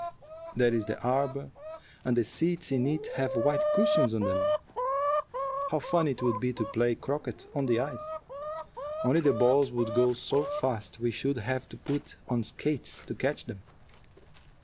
There's the arbor, and the seats in it have white cushions on them. How funny it would be to play croquet on the ice! Only the balls would go so fast we should have to put on skates to catch them.